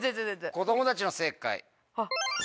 子供たちの正解。